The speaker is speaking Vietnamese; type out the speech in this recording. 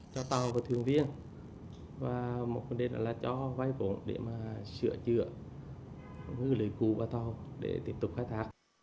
cho tàu và thường viên và một vấn đề là cho vây vốn để sửa chữa ngư lưới cụ và tàu để tiếp tục khai thác